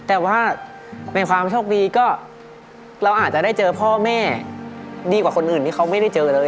แต่ว่าในความโชคดีก็เราอาจจะได้เจอพ่อแม่ดีกว่าคนอื่นที่เขาไม่ได้เจอเลย